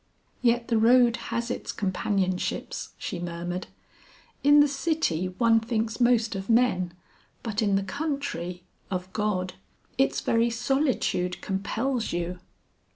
"Yet the road has its companionships," she murmured. "In the city one thinks most of men, but in the country, of God. Its very solitude compels you."